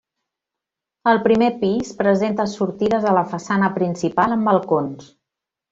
El primer pis presenta sortides a la façana principal amb balcons.